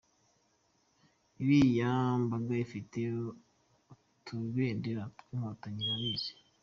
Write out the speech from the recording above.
Iriya mbaga ifite utubendera tw’Inkotanyi irabizi.